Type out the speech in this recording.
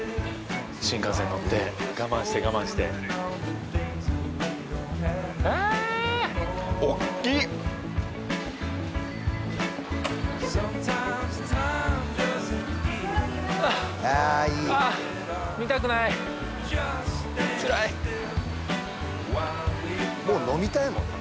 新幹線に乗って我慢して我慢してあっおっきいあいい見たくないつらいもう飲みたいもんね